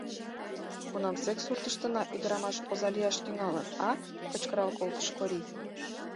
— Кунамсек суртыштына ӱдырамаш оза лияш тӱҥалын, а?! — кычкырал колтыш Корий.